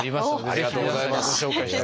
ありがとうございます！